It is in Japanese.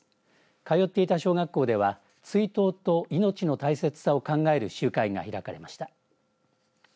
通っていた小学校では追悼と命の大切さを考える集会が開かれました。